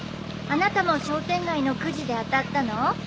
あなたも商店街のくじで当たったの？